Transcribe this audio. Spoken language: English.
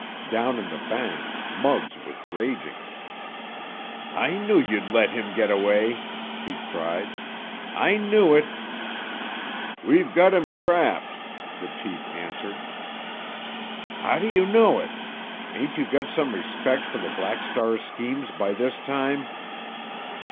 Down in the bank, Muggs was raging. "I knew you'd let him get away!" he cried. "I knew it!" "We've got him trapped," the chief answered. "How do you know it? Ain't you got some respect for the Black Star's schemes by this time?"